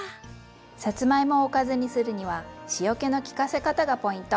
さつまいもをおかずにするには塩気の利かせ方がポイント。